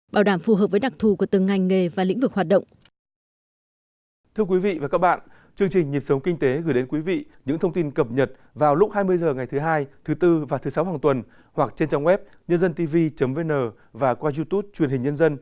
bảo đảm phù hợp với đặc thù của từng ngành nghề và lĩnh vực hoạt động